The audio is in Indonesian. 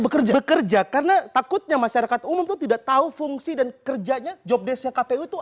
bekerja kerja karena takutnya masyarakat umum tidak tahu fungsi dan kerjanya jobdesk kpu itu